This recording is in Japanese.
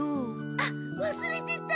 あっわすれてた。